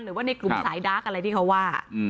หรือว่าในกลุ่มสายดาร์กอะไรที่เขาว่า